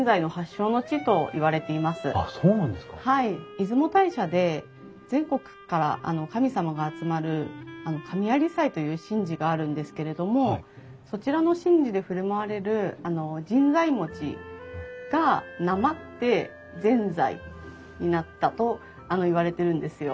出雲大社で全国から神様が集まる神在祭という神事があるんですけれどもそちらの神事で振る舞われる神在餅がなまってぜんざいになったといわれてるんですよ。